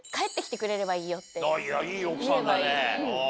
いい奥さんだね。